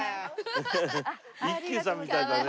一休さんみたいだね。